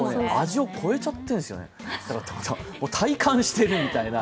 味を超えちゃっているんですよね、体感しちゃっているみたいな。